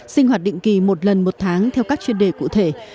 sinh hoạt định kỳ một lần một tháng theo các chuyên đề cụ thể